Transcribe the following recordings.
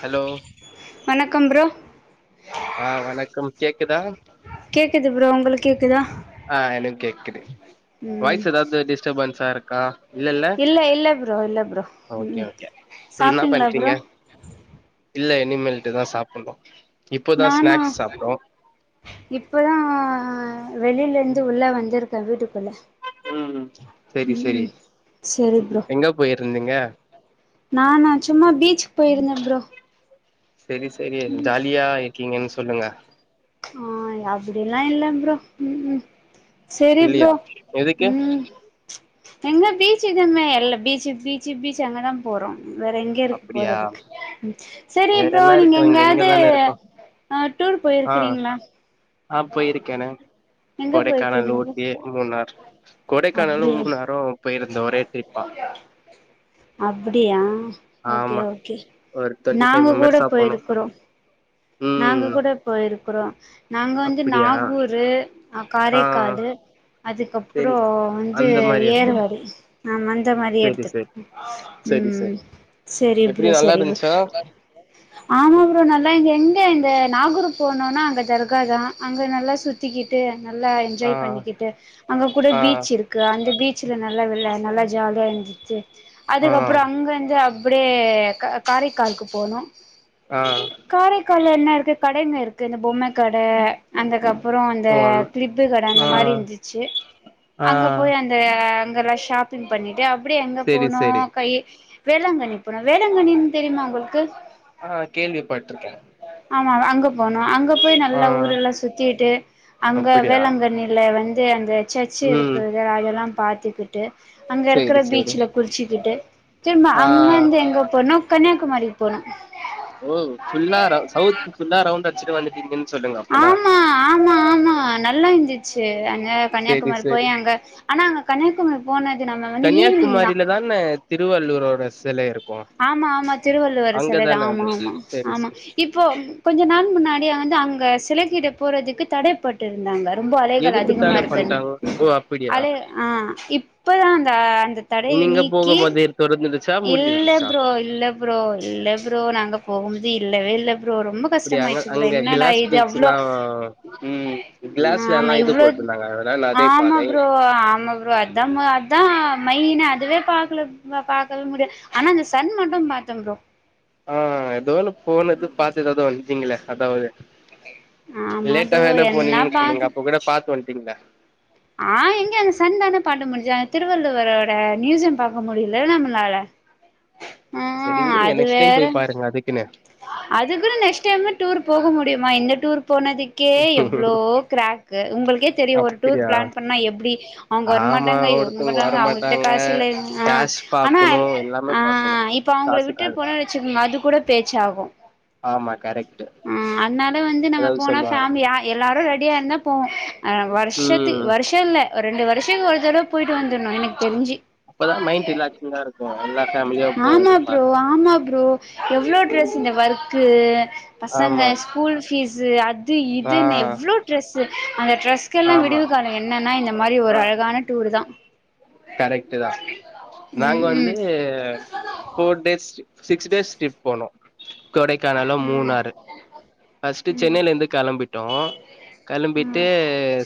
Hello வணக்கம் bro ஆ வணக்கம் கேக்குதா கேக்குது ப்ரோ உங்களுக்கு கேக்குதா ஆ எனக்கு கேக்குது ம் வாய்ஸ் எதாவது டிஸ்டபன்ஸா இருக்கா இல்லல இல்ல இல்ல ப்ரோ இல்ல ப்ரோ ஓகே ம் ஓகே என்ன சாப்ட்டீங்களா பண்றீங்க ப்ரோ இல்ல இனிமேல்ட்டு தா சாப்பிணு நானா இப்பதா வெளில இருந்து உள்ள வந்திரு கே வீட்டுக்குள்ள ம் செரி செரி ம் சரி ம் ஹும் ப்ரோ எங்க போயிருந்தீங்க நானா சும்மா பீச்சு போயிருந்தே ப்ரோ செரி செரி ஜாலியா இருக்கீங்கன்னு சொல்லுங்க ஆ ய் அப்டி எல்லா இல்ல ப்ரோ ம் ம் செரி ப்ரோ இல்லையா எதுக்கு ம் எங்க பீச்சு இதமே எல்ல பீச்சு பீச்சு பீச்சு அங்கதா போறோ வேற எங் எங்க இருக்கு அப்டியா போறதுக்கு ம் செரி வேற ப்ரோ என்ன நீங்க இருக்கோ இங்க எங்கேயாது இங்கதான இருக்கோ அ டூர் போயிரு ஆ இருக்றீங்ளா ஆ பொயிருக்கேனே எங்க கொடைக்கானல் போயிருக்கிறீங்க ப்ரோ ஊட்டி மூனார் கொடைக்கானலு அப்டியா மூணோரு பொயிருந்த ஒரே ட்ரிப்பா அப்டியா ஓகே ஆமா ஓகே ஒரு டுவெண்ட்டி ஃபைவ் நாங்க கூட மெம்பர்ஸா போனோ பொயிருக்றோ நாங்க ம் கூட பொய்ருக்றோ நாங்க வந்து அப்டியா நாகூரு ஆ காரைக்கால் அதுக்கறோ சேரி வந்து அந்த மாரி இருக்கு ஏறுவாடி ஆமா அந்த மாதிரி சேரி எடுத்துக்கு சேரி சேரி ம் சேரி சரி ப்ரோ எப்டி நல்லா சரி ப்ரோ இருந்துச்சா ஆமா ப்ரோ நல்லா இங்க இந்த நாகூர் போனோனா அங்க தர்கா தா நல்லா சுத்தி சுத்திக்கிட்டு நல்லா ஆ என்ஜாய் பண்ணிக்கிட்டு அங்க கூட ஆ பீச் இருக்கு அந்த பீச்ல நல்லா நல்லா ஜாலியா இருந்துச்சு ஆ அதுக்கப்றோ அங்க வந்து அப்டியே காரைக்கால் போனோ ஆ காரைக்கால்ல என்ன இருக்கு கடைங்க இருக் இந்த பொம்ம கட அதுக்கப்றோ அ ஓ கிளிப்பு கட அந்த மாதிரி இருந்துச்சு அ அ அங்கெல்லா ஷாப்பிங் பண்ணிட்டு அப்டியே எங்க சேரி போனோ சேரி கை வேளாங்கண்ணி போன வேளாங்கண்ணி தெரியுமா உங்ளுக்கு ஆ கேள்விப்பட்ருக்கே ஆமா அங்க போனோ அங்க போய் ஆ நல்லா ஊரெல்லா சுத்திட்டு அங்க அப்டியா வேளாங்கண்ணியில வந்து அந்த சர்ச்சு ம் இருக்றது அதெல்லா பாத்துக்கிட்டு அங்க சேரி இருக்ற சேரி பீச்சுல குளிச்சுக்கிட்டு திரும்ப ஆ அங்கர்ந்து எங்க போனோ கன்னியாகுமரிக்கு போனோ ஓ ஃபுல்லா சவுத் ஃபுல்லாரவுண்ட் அடிச்சுட்டு வந்துட்டீங்கன்னு சொல்லுங்க அப்பன்னா ஆமா ஆமா ஆமா நல்லா இருந்துச்சு அங்க சேரி கன்னியாகுமரி போய் சேரி அங்க ஆனா அங்க கன்னியாகுமரி போனது நம்ம வந்து ஈவினிங்தா [unintelligible] திருவள்ளூரோட சிலை இருக்கு ஆமா ஆமா திருவள்ளுவர் சிலைதா அங்கதான ஆமா அது ஆமா செரி ஆமா செரி இப்போ கொஞ்ச நாள் முன்னாடிய வந்து அங்க சிலைகீட்ட போறதுக்கு தடைப்பட் ட்ரு இருந்தாங்க ரொம்ப அலைகள் எதுக்கு அதிகமா தட இருக்க பண்ட்டாங்க ஓ அப்டியா அலை ஆ இப்ப அந்த அந்த தடைய நீக்கி தொடங்குது இல்ல ப்ரோ இல்ல ப்ரோ இல்ல ப்ரோ நாங்க போம்போது இல்லவே இல்ல ப்ரோ ரொம்ப அப்டியா அங்க கஷ்டமாய்டுச்சு ப்ரோ அங்க என்னடா கிளாஸ் இது அவ்ளோ பிரிட்ஜ்லா ம் கிளாஸ்ல எல்லா ஆமா இது இவ்ளோ போட்ருந்தாங்க அதனா நதை ஆமா பாதை ப்ரோ ஆமா ப்ரோ அது அதா மைய்ன் அதுவே பாக்கல பாக் சொல்ல முடியாது ஆனா அந்த சன் மட்டு பாத்த ப்ரோ ஆ ஏதோ ஒன்னு போனது பாத்து எதோது வன்டீங்ளே அதாவ்து ஆமா ப்ரோ லேட்டாதான என்ன போனீங்கன்னு சொன்னீங்க பாத்து அப்ப கூட பாத்ட்டு வன்ட்டீங்ளே ஆ எங்க அந்த சன் தானே பாக்க முடிஞ்ச்சி அந்த திருவள்ளரோட மியூசியம் பாக்க முடில்ல நம்ளால சரி விடுங்க நெக்ஸ்ட் டைம் போய் பாருங்க அதுக்குன்னு அதுக்குன்னு நெக்ஸ்ட் டைம் டூர் போக முடியும இந்த டூர் போனதுக் கே எவ்ளோ க்ராக்கு உங்ளுக்கே தெரியும் ஒரு டூர் அப்டியா பிளான் பண்ணா எப்டி அவங்க ஆமா வரமாட்டாங்க இவங்க ஒருத்தங்க வரமாட்டாங்க, அவகிட்ட காசு இல்ல ஆ கேஷ் ஆனா, பாக்கணு எல்லாமே ஆ பாக்கணு இப் இப்ப அவங்கள விட்டு காசுக்காக போன வச்சுக்கோங்க? அது கூட பேச்சாகு. ஆமா கரெக்ட் ஆ அனால வந்து நம்ம ஏதாவது போனா சொல்லுவாங்க ஃபேமிலியா. எல்லாரு ரெடியா இருந்தா போவோ. ஆனா வருஷத்துக்கு ம் வருஷ் ட் இல்ல. ஒரு ரெண்டு வருஷ ஒரு தடவ போயிட்டு வந்தரணு. எனக்கு தெரிஞ்சி?. அப்பதா மைண்ட் ரிலாக்சிங்கா இருக்கு எல்லா ஃபேமிலியா ஆமா போறது ப்ரோ, பாக்க ஆமா ப்ரோ எவ்ளோ க்ரஸ் ம் இந்த ஒர்க்கு. பசங்க ஆமா ஸ்கூல் பபீஸு அது ஆ இதுன்னு எவ்ளோ. ட்ரெஸ், அந்த ட்ரெஸ்கெல்லா ஆமா விடிவு காலோ என்னென்னா இந்த மாரி ஒரு அழகான டூர்தா. கரெக்டுதா. நாங்க ம் வந்து ம் four days. Six days trip போனோ கொடைக்கானலும், ம் மூனாறு ஃபஸ்ட் ம் சென்னையிலந்து களம்பிட்டோ களம்பிட்டு ம்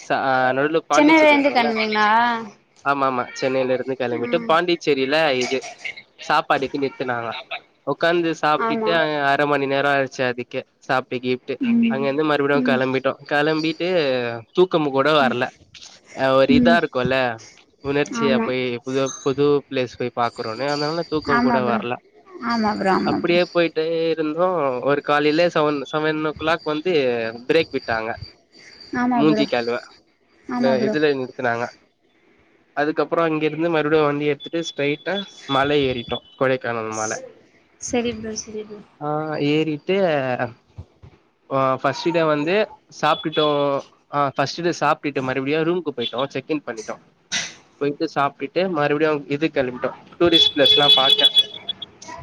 சா நடுல பாண்டிச்சேரி சென்னையிலருந்து இருக்குல்ல கெளம்புவீங்களா ஆமா ஆமா சென்னையில இருந்து கெளம்பிட்டு. ம் பாண்டிச்சேரியில இது சாப்பாடுக்கு நிறுத்தனாங்க. உக்காந்து சாப்பிட்டுட்டு ஆமா அங்க அர மணி நேரோ ஆயிச்சி அதுக்கே சாப்பிட்டு கீப்டு ம் அங்கந்து மறுபடியு. ம் கெளம்பிட்டோ, கெளம்பிட்டு. தூக்கம் கூட வரல. அ ஒரு இதா ம் இருக்கும்ல உண ச்சியா ஆமா போய் புது புது பிளேஸ் போய் பாக்குறோனே. அதனால தூக்கோ ஆமா கூட ப்ரோ வரல, ஆமா ப்ரோ ஆமா ப்ரோ இப்பிடியே போய்ட்டே இருந்தோ ஒரு காலையில செவன் செவன் ஓ கிளாக் வந்து பிரேக் விட்டாங்க. ஆமா ப்ரோ மூஞ்சி கழுவ, நா ஆமா ப்ரோ இதுல நிறுத்துனாங்க அதுக்கப்பறோ, அங்கிருந்து மறுபடியு வந்து எடுத்துட்டு ஸ்ட்ரைட்டா மல ஏறிட்டோ. கொடைக்கானல் மல சரி ப்ரோ சரி ப்ரோ ஆ ஏறிட்டு ஆ ஃபஸ்ட் டே வந்து சாப்பிட்டுட்டோ. ஆ ஃபஸ்டு டே சாப்பிட்டு மறுபடியு ரூம்கு போயிட்டோ. செக் இன் பண்ணிட்டோ. போயிட்டு, சாப்பிட்டுட்டு மறுபிடியு அவங்க இது கெளம்பிட்டோ. டூரிஸ்ட் பிளேஸ்ல்லா பாத்தே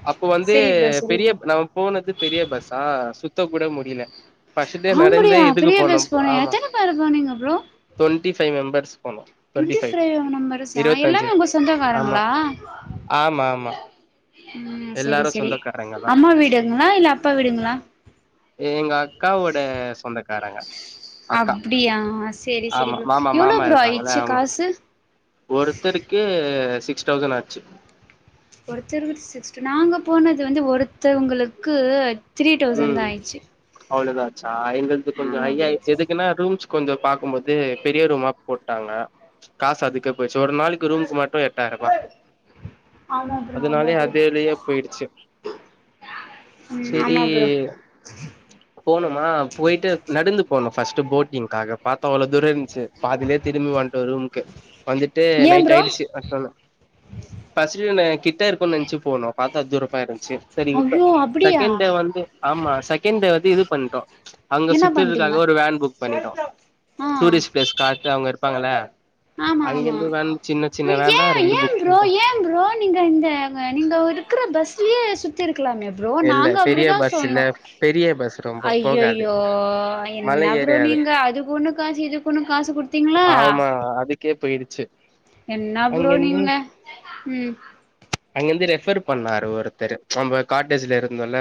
அப்ப, வந்து செரி ப்ரோ செரி ப்ரோ பெரியப் நம்ம போனது பெரிய பஸ்ஸா சுத்த கூட முடியல ஃபஸ்டே நடந்தே ஆம்படியா இதுக்கு பெரிய போனோ பஸ் பா போன ஆமா!.. எத்தன பேரு போனீங்க ப்ரோ தொண்ட்டி ஃபை மெம்பர்ஸ் போனோ டுவெண்ட்டி ஃபைவ் ஃபிரைவ் நெம்பர்ஸ்ஸ இருவத்தஞ்சு எல்லாமே உங்க ஆமா சொந்தக்காரங்களா ஆமா ஆமா ம். சேரி எல்லாரு சேரி சொந்தக்காரங்க தா அம்மா வீடுங்களா இல்ல அப்பா வீடுங்களா ஏங் அக்காவோட சொந்தக்காரங்க. அக்கா அப்பிடியா சேரி சேரி ஆமா ப்ரோ மாமா எவ்ளோ! ப்ரோ ஆயிச்சி காசு. ஒருத்தருக்கே சிக்ஸ் தௌசண்ட் ஆச்சி ஒருத்தருக்கு சிக்ஸ்டு நாங்க போனது வந்து ஒருத்தவங்களுக்கு த்ரீ தௌசண்ட் தா ஆயிச்சி அவ்ளதா ஆச்சா எங்களுது கொஞ்சோ ஐ ப்ரோ ஆய்ச்சி எதுக்குன்னா ரூம்ஸ் கொஞ்சோ பாக்கு போது பெரிய ரூமா போ ட்டாங்க காசு அதுக்கே போய்ச்சி ஒரு நாளைக்கு ரூமுக்கு மட்டு எட்டாயிரூவா ஆமா ப்ரோ ஆமா அதனாலியே ப்ரோ அதேலியே போயிடுச்சி ம் ஆமா ப்ரோ போனுமா போயிட்டு நடந்து போணு ஃபஸ்ட்டு போட்டிங்க்காக பாத்த அவ்ளோ தூர இருந்துச் பாதிலே திரும்பி வண்டோ ரூம்கு வந்துட்டு ஏ நைட் ப்ரோ ஆயிடிச்சி ட்ரனு பசிக்குனே கிட்ட இருக்குனு நெனைச்சு போணோ பாத்த தூரமா இருந் சி சரி இப்ப ஐயோ அப்டியா செகண்ட் கிட்ட வந்து ஆமா செகண்டே வந்து இது பண்டோ அங்க என்ன பண்ட்டீங்க சுத்துதுக்காக ஒரு வேன் புக் பண்ணிட்டோ ஆ டூரிஸ்ட் பிளேஸ் காட்ட அவங்க இருப்பாங்கள ஆமா ஆமா அங்கேந்தான் சின்ன சின்ன ஏ வேண்டா ரெண்டு ஏ புக் ப்ரோ பண்ணிடோ ஏ ப்ரோ நீங்க இந்த நீங்க இருக்கற பஸ்லயே சுத்தி இருக்கலாமே புரோ இல்ல நாங்க பெரிய அப்டிதா பஸ் இல்ல சொன்னோ பெரிய பஸ் ரொம்ப போகாது ஐயையோ மல என்ன ப்ரோ ஏறியாது நீங்க அக் அதுக் ஒன்னு இதுக் ஒன்னு காசு இதுக்கு ஒன்னு காசு குடுத்தீங்ளா கே போயிடுச்சி என்னா புரோ நீங்க ம் அங்கிருந்து ரெஃபர் பண்ணாரு ஒருத்தரு நம்ம காட்டேஜ்ல இருந்தல்ல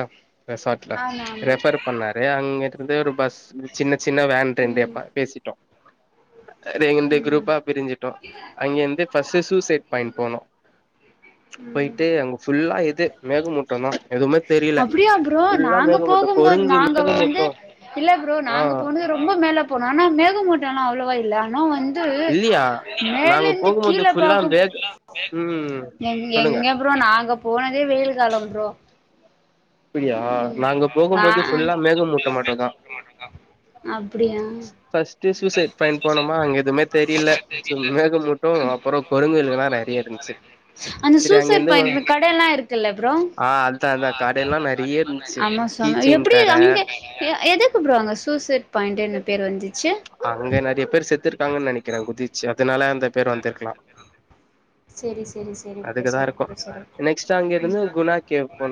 ரெசார்ட்ல ஆமா ஆமா ரெஃபர் பண்ணாரு அங்க இருந்த ஒரு பஸ் சின்ன சின்ன வேன் ம் டென்டேப்பா பேசிட்டோ ரெண்டு ம் குரூப்பா பிரிஞ்டோ அங்கிருந்து பர்ஸ்ட்டு சூசைட் பாயிண்ட் போனோ ம் போயிட்டு அங்க புல்லா இது மேகமூட் டமா எதுவுமே தெரியில அப்டியா ப்ரோ புல்லா நாங்க மேகமூட்டம் போகும்போது கொருஞ்சி நாங்க வந்து மேகமூட்டோ இல்ல ப்ரோ ஆ நாங்க போனது ரொம்ப மேல போனோ ஆனா மேகமூட்டல்லா அவ்ளோ இல்ல ஆனா வந் து இல்லியா மேல நாங்க இருந்து போகும்போது கீழ ஃபுல்லா பாக்க வேக் ம் சொல்லுங்க [unintelligible] ப்ரோ நாங்க போனதே வெயில் காலம் ப்ரோ அப்டியா நாங்க போகும்போது ஃபுல்லா மேகமூட்ட மட்டுந்தா [unintelligible] அப்டியா ஃபர்ஸ்ட் சூசைட் பாயிண்ட் போனோமா அங்க எதுவுமே தெரியல மேகமூட்டோ அப்புறோ கொருங்குகள்லா நெறைய இருந்துச்சு அந்த சரி சூசைட் அங்கேருந்து பாய்ண்ல கடை எல்லா இருக் தில்ல ப்ரோ ஆ அதா அதா கடையெல்லா நெறைய இருந்துச்சு ஆமா கீ சொன்ன செயின் எப்டி கட அங்க அ எதுக்குப் ப்ரோ அங்க சூசேட் பாயிண்டெனு பெர் வந்துச்சி அங்க நெறைய பேர் செத்துருக்காங்கனு நெனைற குதிச்சி அதனால அந்த பெர் வந்திருக்கலா செரி செரி செரிப்பா அதுக்குதா இருக்கு செரிப்பா சாரு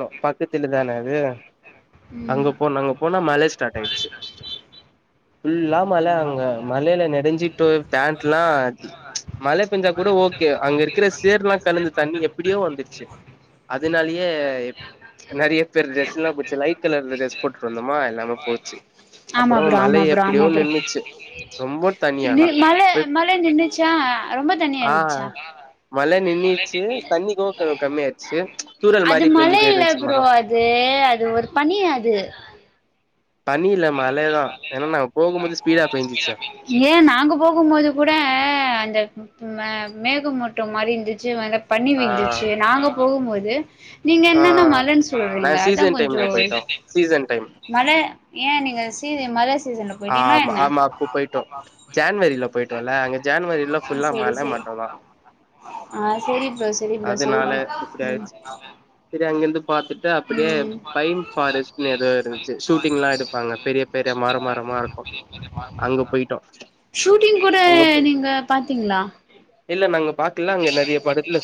லோ பக்கத்தில தான அது அங்க போனோ அங்க போனா மழ ம் புல்லா மழ அங்க மழேல நெறஞ்சிட்டு பேண்டலா மழ பெஞ்சா கூட ஓகே அங்க இருக்கிற சேர்லா அதுனாலயே எப் நறைய பேர் டிரஸ் இல்லாம போச்சு லைட் கலர் ட்ரே ட்ரெஸ் போட்டுட்டு வந்தோமா எல்லாமே போச்சி அப்ரோம் மழையப் எப்டியோ நின்னுச்சி நில் மழ மழ நின்னுச்சா ரொம்ப தண்ணியா ஆ இருந்ச்சா மழ நின்றுச்சி தண்ணி கோ கொஞ்ச கம்மியாச்சி தூறல் மாரி பெஞ்சிட்டே இந்துச்சி மரோ தே அது ஒரு தணி அது தண்ணியில்ல மழ தா ஏனா நாங்க போகும்போது ஸ்பீடா பேஞ்சிச்சா ஏ நாங்க போகும்போது கூட அந்த ம மேகமூட்டம் மாதிரி இருந்துச்சி மேல பணி ஆ விழுந்துச்சி நாங்க போகும்போது நீங்க ஆ என்னன்ன மழன்னு நா சொல்வங்க அதா சீசன் கொஞ்சோ டைம்ல போயிட்டோ சீசன் டைம் மழ ஏ நீங்க சீசன் மழ சீசனுக் போட்டிங்னா ஆமா என்ன ஆமா அப்போ போயிட்டோ ஜான்வரில போயிட்டோல்ல அங்க ஜான்வரில ஃபுல்லா செரி மழ செரி மட்டுந்தா ஆ செரி ப்ரோ செரி ப்ரோ செரி அதனால ப்ரோ இப்டி உம் ஆயிடுச்சு சரி அங்கிருந்து பாத்துட்டு அப்டியே பைன் ஃபாரஸ்ட்னு எதோ இருந்துச்சி ஷூட்டிங் எல்லா எடுப்பாங்க பெரிய பெரிய மர மரமா இருக்கு அங்க போயிட்டோ ஷூட்டிங் கூட அங்க போய் நீங்க பாத்தீங்ளா இல்ல நாங்க பாக்கலா அங்க நெறய படத்ல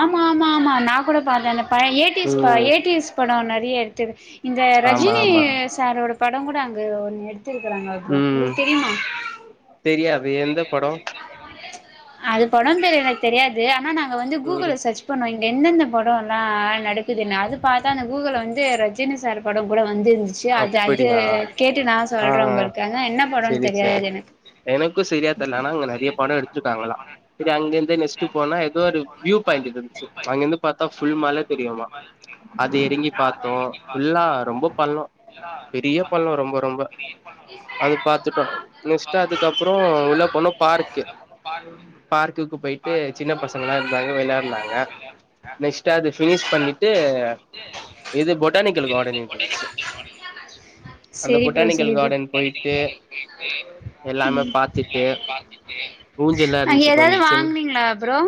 ஆமா ஆமா ஆமா நா கூட பாத்தே பழைய ம் எயிட்டிஸ் படம் நெறய எடுத்தது இந்த ஆமா ரஜினி ஆமா சாரோட பட கூட அங்க ஒன்னு எடுத்து எடுத்துருக்குறாங்க அங்கோ உங்களுக்கு தெரியுமா தெரியா அது படம் பேரு எனக்கு தெரியாது ஆனா நாங்க வந்து கூகுள்ல ம் சர்ச் இப்போ நா இங்கே என்னென்ன படோ எல்லா நடக்குதுல்ல அது பாத்தா அந்த கூகுல்ல வந்து ரஜினி சார் படம் கூட வந்துருன்ந்துச்சு அது அது அப்படியா கேட்டு நா ஆ சொல்றே ஒங்களுக்கு ஆனா என்ன படனு செரி செரி தெரியாது எனக்கு எனக்கு சரியா தெரியல ஆனா அங்க நெறய படோ எடுத்துருக்காங்ளா சரி அங்க இருந்த நெஸ்ட்டு போனா ஏதோ ஒரு வியூ பாயிண்ட் இருக்குது அங்கிருந்து பாத்தா ஃபுல் மல தெரியுமா அது எறங்கி பாத்தோ ஃபுல்லா ரொம்ப பள்ளோ பெரிய எல்லாப்ப பள்ளோ ரொம்ப ரொம்ப என் பண்ண [unintelligible] ம் உள்ள போனா பார்க்கு பார் [unintelligible] பார்க்குக்கு போயிட்டு சின்ன பசங்க எல்லா இருந்தாங்க வெளயாடுனாங்க நெக்ஸ்ட்டு அது பினிஷ் பண்ணிட்டு இது பொட்டானிக்கல் கார்டன் இருந்துச்சு [unintelligible] அந்த ப்ரோ பொட்டானிக்கல் செரி ப்ரோ கார்டன் போயிட்டு எல்லாமே பாத் துட்டு ஊஞ்சல்லா அங்க இருந்துச்சு கொஞ்ச ஏதாவது சின்ன வாங்குனீங்களா ப்ரோ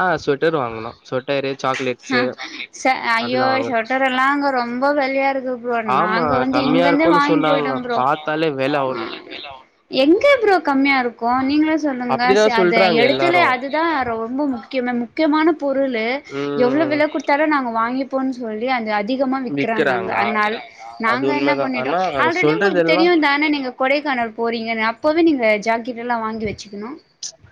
ஆ ஸ்வெட்டர் வாங்குனோ ஸ்வெட்டரு சாக்லேட்ஸு ஆ ஐயோ அதெல்லா வாங்குனோ ஷொட்டர் எல்லா அங்க ரொம்ப வெலயா இருக்குது ப்ரோ ஆமா நாங்க வந்து இங்க கம்மியா இருந்து இருக்குன்னு வாங்கிட்டு சொன்னாங்க போயிட்டோ ப்ரோ பாத்தாலே வெல ஆ அவ்ளோ இருக்கு எங்க ப்ரோ கம்மியா இருக்கு நீங்களே சொல்லுங்க அப்டிதா அ சொல்றாங்க எடத்துல எல்லாரு அதுதா ரொம்ப முக்கிய முக்கியமான பொருளு எவ்ளோ ம் வெல குடுத்தாலு நாங்க வாங்கிப்போன் சொல்லி அது அதிகமா வி்க்குறாங்க அங்க விக்கிறாங்க ஆமா அதனால அது நாங்க என்னா உண்மதா பண்ணிட்டோ ஆனா ஆல்ரெடி சொல்றது உங்களுக்கு எல்லா தெரியு தான நீங்க கொடைக்கானல் போறீங்கன்னு அப்போவே நீங்க ஜாக்கெட்டெல்லா வாங்கி வச்சுக்கணு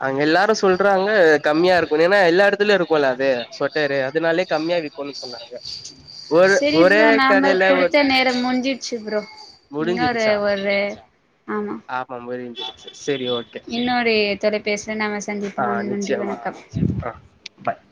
அங்க எல்லாரு சொல்றாங்க கம்மியா இருக்குனு ஏன்னா எல்லா எடத்துலயு இருக்குல்ல அது சரி அதனாலேயே கம்மியா விக்குன்னு சொன்னாங்க ஒரு செரி ஒரே ப்ரோ கடைல நாமளுக்கு ஒ குடுத்த நேரோ முடிஞ்சிடுச்சு ப்ரோ இன்னோரு முடிஞ்சிடுச்சா ஒரு ஆமா முடிஞ்சிடுச்சு செரி ஓகே இன்னோரு தொலைபேசி நா ஆ சந்திப்போ நாங்க நன்றி நிச்சயமா வணக்கம் ஆ பாய்